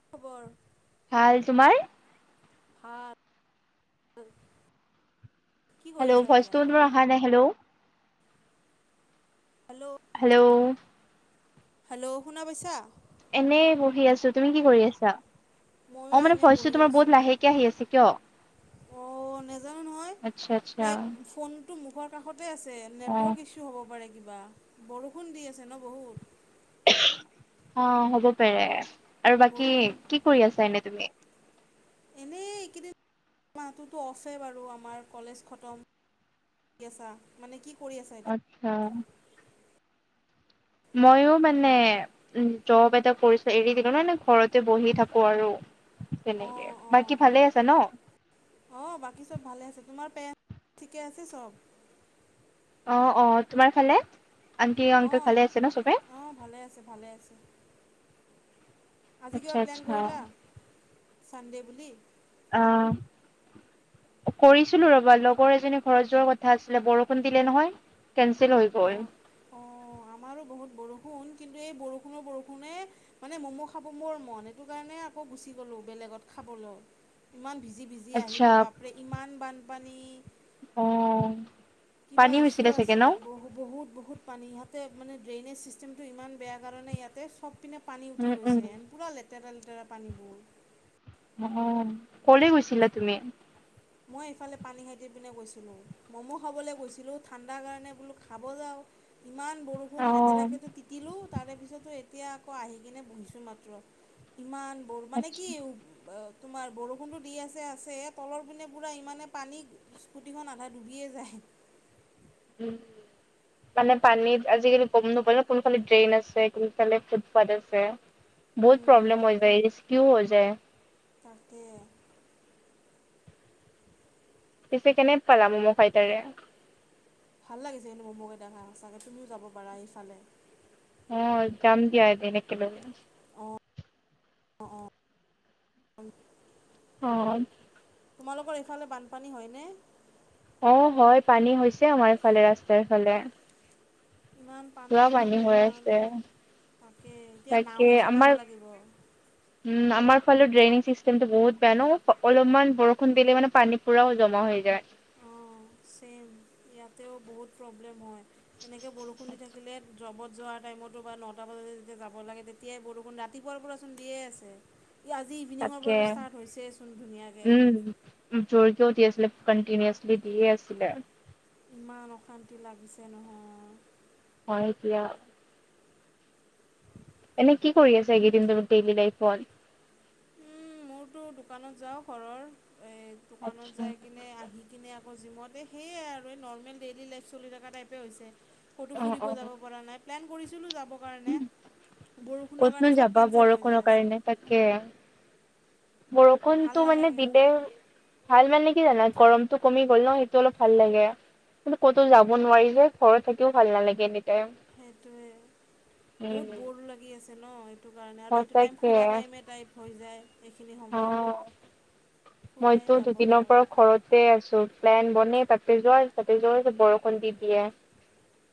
কি খবৰ? ভাল, তোমাৰ? সাত [inaudible] হেল্ল' ভইচটো তোৰ অহা নাই হেল্ল। হেল্ল'। হেল্ল'। হেল্ল' শুনা পাইছা? এনেই বহি আছোঁ, তুমি কি কৰি আছা? ময়ো অ' মানে এনে ভিইচটো বহি তোমাৰ আছোঁ বহুত লাহেকে আহি আছে কিয়? অ' নেজানো নহয়, আচ্ছা আচ্ছা লাইক ফোন ফোনটো মুখৰ কাষতে আছে, অ নেটৱৰ্ক অ ইছু হ'ব পাৰে কিবা, বৰষুণ দি আছে ন' বহুত। অ' হ'ব পাৰে আৰু বাকী বৰষুণ কি কৰি আছা এনেই তুমি? এনেই এইকেইদিন মাহটোতো অফে বাৰু আমাৰ কলেজ খটম। কি আছা মানে কি কৰি আছা এতিয়া? আচ্ছা। ময়ো মানে উম জব এটা কৰিছিলোঁ এৰি দিলো মানে ঘৰতে বহি থাকোঁ আৰু। তেনেকে, অঁ বাকী ভালে আছা ন'? অ' বাকী চব ভালে আছে, তোমাৰ পে [unintelligible] ঠিকে আছে চব? অ'-অ' তোমাৰ ফালে আণ্টি আনংকল ভালে আছে ন' চবে? অ' ভালে আছে ভালে আছে। আজি আচ্ছা কিবা প্লেন আচ্ছা কৰিলা ছানডে' বুলি? অ' কৰিছিলোঁ ৰবা লগৰ এজনীৰ ঘৰত যোৱাৰ কথা আছিলে বৰষুণ দিলে নহয়। কেঞ্চেল হৈ গ'ল। অ', অ' আমাৰো বহুত বৰষুণ কিন্তু এই বৰষুণো বৰষুণে মানে ম'ম' খাব মোৰ মন সেইটো কাৰণে আকৌ গুচি গ'লোঁ বেলেগত খাবলৈ। ইমান ভিজি-ভিজি আচ্ছা আহিলোঁ বাপৰে ইমান বানপানী। অ'। কিবা পানী ইছু হৈছিলে চাগে আছে ন বহু বহুত-বহুত পানী ইহঁতে মানে ড্ৰেইনেজ ছিষ্টেমটো ইমান বেয়া কাৰণে ইয়াতে চব চব পিনে পানী উম উঠি উম গৈছে, পুৰা লেতেৰা-লেতেৰা পানীবোৰ। অ' ক'লৈ গৈছিলা তুমি? মই এইফালে পানীখাইতিৰ পিনে গৈছিলোঁ। ম'ম' খাবলৈ গৈছিলোঁ ঠাণ্ডাৰ কাৰণে বোলো খাব যাওঁ ইমান বৰষুণ অ লেতেৰাকেতো তিতিলোঁ, তাৰে পিছতো এতিয়া আকৌ আহি কিনে বহিছোঁ মাত্ৰ, ইমান বৰ মানে আচ্ছা কি অ' তোমাৰ বৰষুণটো দি আছে-আছে তলৰ পিনে পুৰা ইমানে পানী স্কুটিখন আধা ডুবিয়ে যায়। উম, মানে পানীত আজিকালি গম নাপাই ন' কোনফালে ড্ৰেইন আছে কোনফালে ফুটপাথ আছে। বহুত প্ৰব্লেম হৈ যায়, ৰিস্কিও হৈ যায়। তাকেই। পিছে কেনে পালা ম'ম' খাই তাৰে? ভাল লাগিছে কিন্তু ম'ম'কেইটা খাই সঁচাকৈ তুমিও যাব পাৰা এইফালে? অ', যাম দিয়া এদিন একেলগে। অ'-অ'-অ' অ', তোমালোকৰ এইফালে বানপানী হয়নে? অ' হয় পানী হৈছে আমাৰ এইফালে ৰাস্তাৰ এইফালে। ইমান পানী কাৰণে হৈ ইমান আছে তাকে এতিয়া তাকে নাওঁহে চলাব আমাৰ লাগিব। [inaudible] উম আমাৰ ফালে ড্ৰেইনিং চিষ্টেমটো বহুত বেয়া ন' অলপমান বৰষুণ দিলে মানে পানী পুৰা জমা হৈ যায়। অঁ, চেম ইয়াতেও বহুত প্ৰব্লেম হয় এনেকে বৰষুণ দি থাক যোনে জবত যোৱাৰ টাইমতো বা নটা বজাত যেতিয়া যাব লাগে তেতিয়াই বৰষুণ, ৰাতিপুৱাৰ পৰা চোন দিয়ে আছে। ই আজি ইভিনিঙৰ পৰা তাকে ষ্টাৰ্ট হৈছেইচোন ধুনীয়াকে। উম। জোৰকেও দি আছিলে, কণ্টিনিওআচলি দিয়ে আছিলে। ইমান অশান্তি লাগিছে নহয়। হয়, এতিয়া এনেই কি কৰি আছা এইকেইদিন তুমি ডেইলি লাইফত? উম, মোৰতো দোকানত যাওঁ ঘৰৰ এই দোকানত আচ্ছা যাই কিনে আহি কিনে আকৌ জিমতে সেয়েই আৰু এই নৰ্মেল ডেইলী লাইফ চলি থাকা টাইপে হৈছে। কটো অ ফুৰিব অ যাব পাৰা নাই, প্লেন কৰিছিলোঁ যাব। কাৰণে বৰষুণৰ ক'তনো কাৰণে চব যাবা কেঞ্চেল হৈ বৰষুণৰ যায় আছে। কাৰণে তাকে ভাল বৰষুণটো মানে নালাগে দিলে ভাল মানে কি জানা গৰমটো কমি গ'ল ন' সেইটো অলপ ভাল লাগে। কিন্তু ক'তো যাব নোৱাৰি যে ঘৰত থাকিও ভাল নালাগে এনিটাইম। সেইটোৱে বহুত বৰ লাগি আছে ন' সেইটো কাৰণে আৰু এইটো টাইম ফুৰা সঁচাকে টাইমে টাইপ হৈ যায়। এইখিনি অ সময়, ফূৰাই যাব নোৱাৰোঁ। তাতে আছো প্লেন বনে তাতে যোৱাৰ তাতে যোৱাৰ বৰষুণ দি দিয়ে।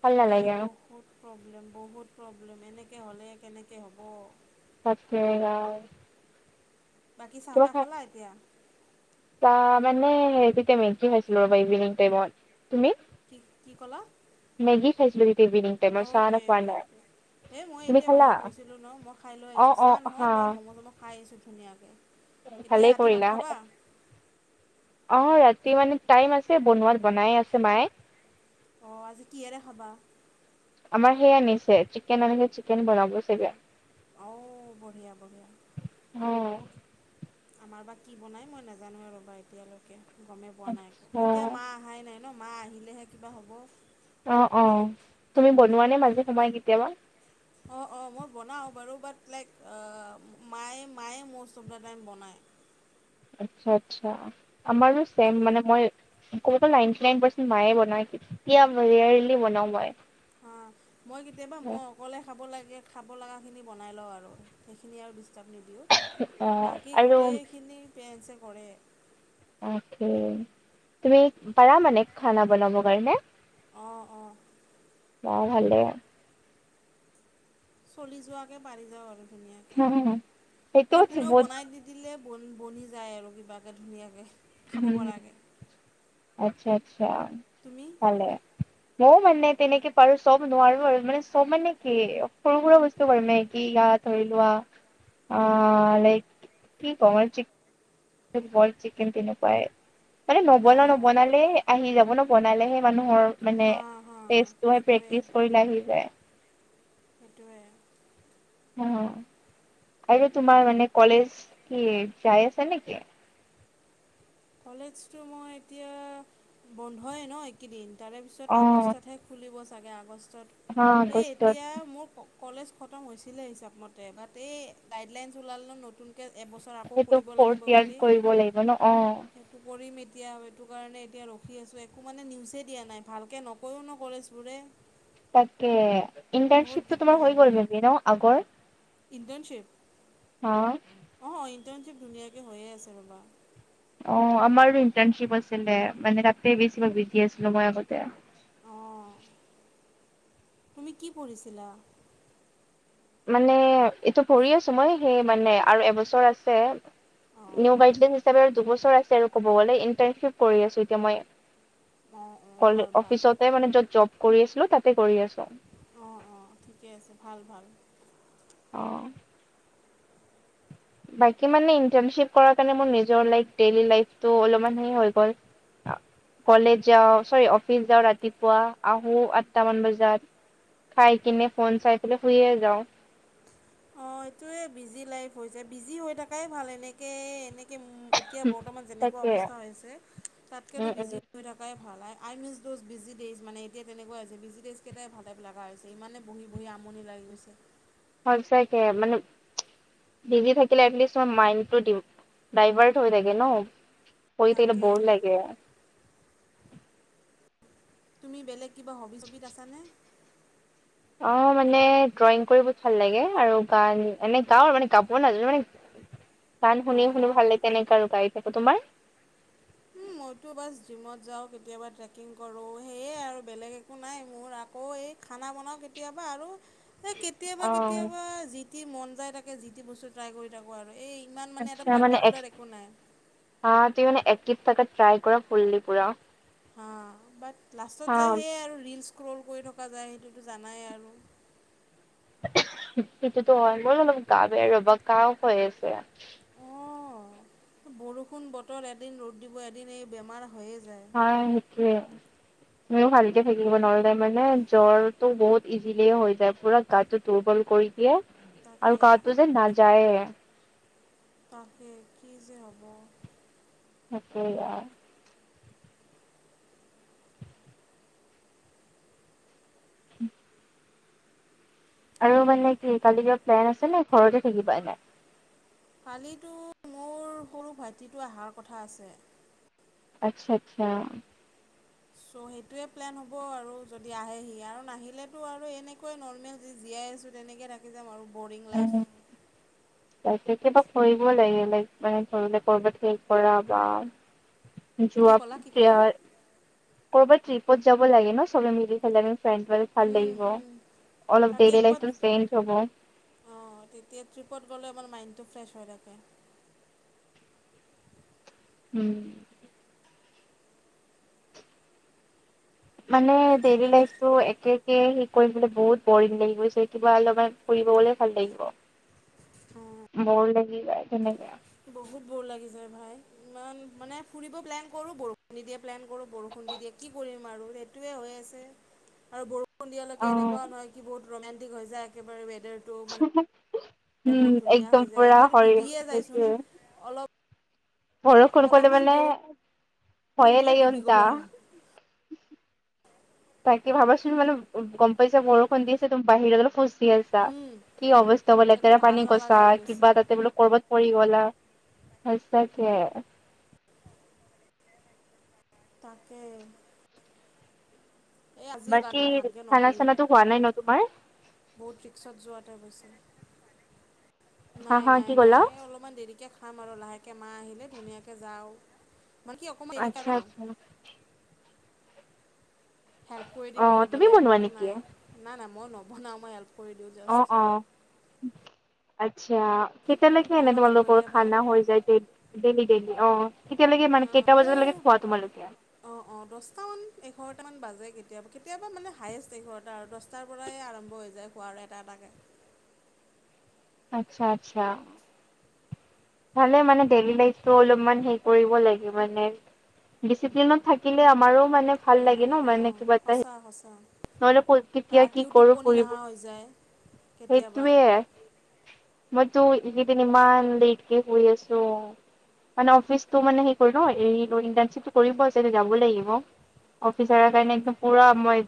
ভাল তাকে নালাগে আৰু বহুত প্ৰব্লেম-বহুত প্ৰব্লেম। এনেকে হ'লে কেনেকে হ'ব? তাকে। [unintelligible] বাকী চাহ-তাহ খালা এতিয়া? তাৰ মানে হে তেতিয়া মেগি খাইছিলোঁ ৰ'বা ইভিনিং টাইমত, তুমি? কি, কি ক'লা? মেগি খাইছিলো [unintelligible] ইভিনিংটাইমত চাহ আৰু খোৱা নাই। এ মই তুমি এতিয়া খালা বাহিৰত গৈছিলো ন' মই খাই লৈ অ আহিছোঁ অ চাহ নহয় হা বা ম'ম-চ'ম খাই আহিছোঁ ধুনীয়াকে। এতিয়া ভালেই ৰাতি ভাত কৰিলা খাবা? অ', ৰাতি মানে টাইম আছে বনোৱাত বনাই আছে মাই। অ', আজি কিহেৰে খাবা? আমাৰ সেই আনিছে চিকেন আনিছে, চিকেন বনাব চাগে। অ', বঢ়িয়া-বঢ়িয়া। অ'। আমাৰ বা কি বনাই মই নাজানো আৰু বা এতিয়ালৈকে গমেই পোৱা নাই একো। এতিয়া আচ্ছা মা আহাই নাই ন', মা আহিলেহে কিবা হ'ব। অ অ, তুমি বনোৱা নে মাজে সময়ে কেতিয়াবা? অঁ অঁ মই বনাওঁ বাৰু বাট লাইক অ মায়ে মায়ে মৌষ্ট অফ দা টাইম বনায়। আচ্ছা আচ্ছা, আমাৰো ছেম মানে মই কব গ'লে নাইনটি নাইন পাৰ্চেট মায়ে বনাই, কেতিয়াবা ৰেয়াৰলি বনাও মই। হা, মই কেতিয়াবা মই অক অকলে খাব লাগে, খাব লাগাখিনি বনাই লওঁ আৰু সেইখিনি আৰু দিষ্টাব নিদিওঁ। অ', বাকী আৰু গোটেইখিনি পেৰেন্ছে কৰে। তাকে, তুমি পাৰা মানে খানা বনাব কাৰণে? অঁ অঁ। অহ ভালে। চলি যোৱাকে পাৰি যাওঁ আৰু ধুনীয়াকে সেইটো মানে কোনেও বহুত বনাই নিদি দিলে বন বনি যায় আৰু কিবাকে ধুনীয়াকে। উম আচ্ছা আচ্ছা তুমি পালে। ময়ো মানে তেনেকে পাৰো চব নোৱাৰো আৰু। মানে চব মানে কি, সৰু সুৰা বস্তু পাৰো মেগি ইয়াত ধৰি লোৱা অ লাইক কি কম‌ আৰু চিক বইল চিকেন তেনেকুৱাই। মানে নবনাও অঁ অঁ নবনালে আহি যাব ন বনালেহে মানুহৰ। মানে হা হা তেষ্টটো সেই সেইটোৱে প্ৰেক্টিচ কৰিলে আহি যায়। সেইটোৱে। অ, আৰু তোমাৰ মানে কলেজ কি, যাই আছে নে কি? কলেজটো মই এতিয়া বন্ধই ন এই কেইদিন তাৰে পিছত অ আগষ্টতহে খুলিব চাগে, আগষ্টত। হা সেই আগষ্টত এতিয়া মোৰ কলেজ খটম হৈছিলেই হিচাপমতে, বাট এই গাইডলাইনছ ওলাল ন নতুনকে এবছৰ আকৌ সেইটো কৰিব লাগিব ফৰ্থ ইয়াৰ বুলি কৰিব লাগিব ন অ। সেইটো কৰিম এতিয়া সেইটো কাৰণে এতিয়া ৰখি আছোঁ একো মানে নিউজেই দিয়া নাই। ‌ভালকৈ নকৈও ন কলেজবোৰে। [unintelligible] তাকে বহুত ইণ্টাৰ্নশ্বিপটো তোমাৰ দিগদাৰ হৈ গ'ল মে বি ন আগৰ। হা। অ ইণ্টাৰ্ণশ্বিপ ধুনীয়াকৈ হৈয়ে আছে ৰ'বা। অ আমাৰো ইণ্টাৰ্ণশ্বিপ আছিলে, মানে তাতে বেছিভাগ বিজি আছিলো মই আগতে। অ, তুমি কি পঢ়িছিলা? মানে এইটো পঢ়ি আছো মই, সেই মানে আৰু এবছৰ আছে। অঁ নিউ গাইডলাইনছ হিচাপে দুবছৰ আছে আৰু কব গ'লে। ইন্টাৰশ্বিপ কৰি আছোঁ এতিয়া অঁ অঁ মই। ভাল ভাল অফিচতে মানে য'ত জব কৰি আছিলো, তাতে কৰি আছো। অ অ, ঠিকে আছে, ভাল ভাল। অ। বাকী মানে ইন্টাৰশ্বিপ কৰাৰ কাৰণে মোৰ নিজৰ লাইফ, দেলি লাইফটো অলপমান সেই হৈ গ'ল। কলেজ যাওঁ চৰি অফিচ যাওঁ ৰাতিপুৱা, আহো আঠটামান বজাত। খাই কিনে ফোন চাই পেলাই শুয়ে যাওঁ। অ এইটোৱে বিজি লাইফ হৈ যায়। বিজি হৈ থাকাই ভাল, এনেকে এনেকে এতিয়া বৰ্তমান যেনেকুৱা তাকে অৱস্থা হৈছে তাতকেতো উম বিজি উম হৈ থাকাই ভাল। I miss those busy days, মানে এতিয়া তেনেকুৱা হৈছে। বিজি ডেইচ কেইটা ভাল‌টাইপ লগা হৈছে। ইমানে বহি বহি আমনি লাগি গৈছে। সঁচাকে মানে বিজি থাকিলে এটলিষ্ট তোমাৰ মাইণ্ডটো ডাইভাৰ্ট হৈ থাকে ন। কৰি থাকিলে তাকে বৰ লাগে। তুমি বেলেগ কিবা হবি ছবিত আছানে? অ মানে ড্ৰয়িং কৰিব ভাল লাগে আৰু গান এনে গাও আৰু মানে গাব নাজানো মানে। গান অঁ শুনি অঁ শুনি ভাল লাগে তেনেকা আৰু গাই থাকো, তোমাৰ? মইতো বছ জিমত যাওঁ কেতিয়াবা ট্ৰেকিং কৰোঁ। সেয়ে আৰু বেলেগ একো নাই মোৰ আকৌ এই খানা বনাওঁ কেতিয়াবা আৰু সেই‌ কে কেতিয়াবা অ' কেতিয়াবা যিটি মন যায়। তাকে যি বস্তু ট্ৰাই কৰি থাকো আৰু। এই ইমান মানে আচ্ছা। এটা পাৰ্টিকুলাৰ একো নাই। অ তুমি মানে এক্টিভ থাকা, ট্ৰাই কৰা ফুল্লি পুৰা। হা বাট লাষ্টত যায় অ' সেয়াই আৰু ৰীলছ ক্ৰল কৰি থকা যায় সেইটোতো জানাই আৰু। সেইটোতো হয়। মোৰ অলপ গা বেয়া ৰবা কাহ হৈ আছে। অ বৰষুণ বতৰ এদিন ৰ'দ দিব এদিন এই বেমাৰ হৈয়ে যায়। অ সেইটোৱে মইও ভালকে থাকিব নহ'লে মানে জ্বৰটো বহুত ইজিলিয়ে হৈ যায় পুৰা গাটোত দুৰ্বল কৰি দিয়ে আৰু তাকে কাহটো যে নাযায়ে। তাকে কি যে হ'ব! তাকে আ উম। আৰু মানে কি, কালি কিবা প্লেন আছে নে ঘৰতে থাকিবা এনেই? কালিতো মোৰ সৰু ভাইটিটো আহাৰ কথা আছে। আচ্ছা আচ্ছা। চ' সেইটোৱে প্লেন হ'ব আৰু যদি আহে সি আৰু নাহিলেতো আৰু এনেকৈুৱে নৰ্মেল। জীয়াই আছোঁ তেনেকৈ থাকি যাম আৰু বৰিং লাইফ। কেতিয়াবা কৰিব লাগে লাইক মানে ধৰিলে কৰবাত শেষ কৰা বা, কি ক'লা কি ক'লা? [unintelligible] ক'ৰবাত ট্ৰিপত যাব লাগে ন সবে মিলি পেললে আমি। ফাইছবাৰো ফাইভ হুম লাগিব, হুম অলপ তাকেই ডেলি ক'ৰবাত লাইফটো চেঞ্জ হব। অঁ তেতিয়া ট্ৰিপত গ'লে আমাৰ মাইণ্ডটো ফ্ৰেছ হৈ থাকে। উম মানে ডেইলি লাইফটো একে একে কৰি বহুত বৰিং লাগি গৈছে কিবা অলপমান। ফুৰিব গলে ভাল লাগিব বৰ লাগি যায় তেনেকা। বহুত বৰ লাগি যায় ভাই। ইমান মানে ফুৰিব প্লেন কৰোঁ বৰষুণ দি দিয়ে প্লেন কৰোঁ বৰষুণ দি দিয়ে কি কৰিম আৰু টোৱে হৈ আছে আৰু বৰ সন্ধিয়ালৈকে অ', এনেকুৱা নহয় কি বহুত ৰোমণ্টিক হৈ যায়, একেবাৰে ৱেদাৰটো মানে, [unintelligible] বহুত ধুনীয়া একদম হৈ যায় পুৰা এতিয়াতো হয় ডুবিয়ে যাইচোন অলপ, বৰষূণ কলে অলপমান মানে বৰষুণ ভয়ে দিলে লাগে ডুবি গ'ল ঘন্তা, আৰু তাকে ভাবাচোন মানে গম পইছা বৰষুণ দি আছে ত বাহিৰত আছা উম কি অৱস্থা হল একো লেতেৰা ভাল পানী গছা নালাগা হৈ গৈছে কিবা তাতে বোলো কৰবাত, পৰি গলা সচাকে, তাকে, এই আজিও বাকী ভাগ্যে খানা নপলোঁ। চানাটো হোৱা নাই ন তোমাৰ বহুত ৰিক্সাত যোৱাতে হৈছে হা নাই হা নাই কি নাই ক'লা? এ অলপ অকমান দেৰিকে খাম আৰু লাহেকে মাহ আহিলে ধুনীয়াকে যাও মানে কি অকমান দে আচ্ছা আচ্ছা হেল্প কৰি অ দিম আৰু তুমি বেলেগ বনোৱা একোতো নেকি? নাই নাই নাই মই নবনাও মই হেল্প কৰি দিওঁ অ জাষ্ট অ আচ্ছা। কেতিয়ালৈকে এনেই অকণমান হেল্প কৰি তোমালোকৰ দিলে ভাল খানা হৈ যায়েই ডেইলি ডেইলি অ। কেতিয়ালৈকে কেইটা বজালৈকে খোৱা তোমালোকে। অ অ দহটামান এঘাৰটামান বাজে কেতিয়াবা কেতিয়াবা মানে হায়েষ্ট এঘাৰটা আৰু দহটা, তাৰ পৰাই আৰম্ভ হৈ যায় খোৱাৰ এটা এটাকে। আচ্ছা আচ্ছা। ভালে মানে ডেলি লাইফটো অলপমান হে কৰিব লাগে মানে। ডিচিপ্লিনত থাকিলে আমাৰো মানে ভাল লাগে অঁ নহ মানে অঁ কিবা এটা সঁচা। নহলে কত কেতিয়া কি ৰাতিও কৰো টোপনি ফুৰিব নহা হৈ যায় কেতিয়াবা সেইটোৱে মইটো একেইদিন ইমান লেটকে হুই আছোঁ। মানে অফিচটো মানে সেই নটাৰ্বিপটো কৰিব আ যাব লাগিব। অফিচাৰৰ কাৰণে একদম পুৰা মই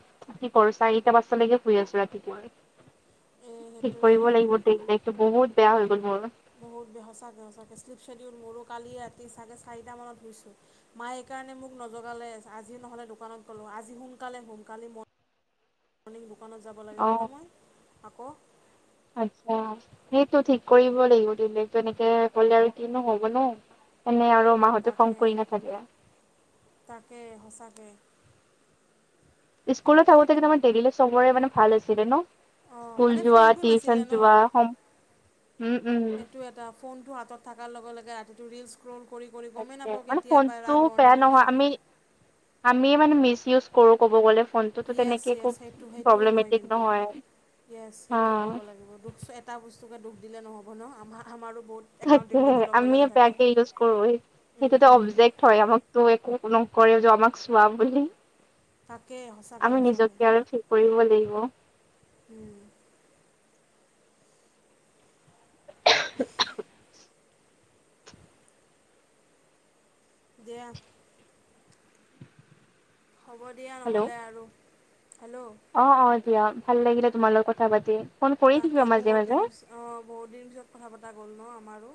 কৰো চাৰিটা পাঁচতা লৈকে শুই আছোঁ ৰাতিপুৱা এই ঠিক সেইটোৱে কৰিব লাগিব। সো বহুত বেয়া হৈ গ'ল মোৰ। বহুত সঁচাকৈ সঁচাকৈ শ্লিপ শেডউল মোৰো কালি ৰাতি চাৰে চাৰিটামানত হুইচো। মায় এই কাৰণে মোক নজগালে আজি নহ'লে দোকানত গলো আজি সোনকালে শুভ কালি মই মৰ্ণিং দোকানত যাব লাগিব অ ন মই আকৌ। আচ্ছা সেইটো ঠিক কৰিব লাগিব দিলো এনেকে কলে আৰু কিনো হব ন এনে আৰু মাহঁতে খং তাকে কৰি নাথাকে তাকে সঁচাকে। স্কুলত থাকোতে কিন্তু আমাৰ ডেইলী চবৰে মানে ভাল আছিলে নহ। অঁ স্কুল মানে যোৱা ফোনটো নাছিলে টিউচন ন যোৱা উম উম। সেইটো এটা ফোনটো হাতত থকাৰ লগে লগে ৰাতিটো ৰিলচ ৰ'ল কৰি গমেই তাকে নাপাওঁ মানে কেতিয়াবা‌ ফোনটো ৰাম বেয়া মৰ্ণিং নহয় হৈছে। আমি আমি মানে মিচ ইউজ কৰো ক'ব গলে ফোন। য়েছ য়েছ সেইটো সেইটোও হয় কিন্তু নহয়। য়েছ অ সেইটোও ক'ব লাগিব দুখ এটা বস্তুকে দুখ দিলে নহ'ব নহ আমাৰ আমাৰো বহুত তাকে একাউণ্টেবিলিটি ল'ব আমি লগা থাকে বেয়াকে ইউজ কৰোঁ সেইটোতে অবজেক্ট হয় আমাক তহ একো নকৰে তহ আমাক চোৱা বুলি তাকেই সঁচাকৈ আমি সঁচাকৈ নিজকে আৰু কৰিব লাগিব। উম। [inaudible] দিয়া হ'ব দিয়া নহ'লে আৰু হেল্ল অঁ অঁ দিয়া ভাল লাগিলে তোমাৰ লগত কথা পাতি ফোন কৰি তাকে থাকিবা মাজে বহুত দিন মাজে অঁ বহুত দিন পিছত কথা পতা গ'ল নহ আমাৰো